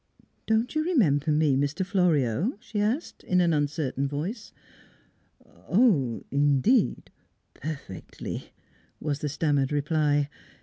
"Don't you remember me, Mr. Florio?" she asked, in an uncertain voice. "Oh indeed perfectly," was the stammered reply.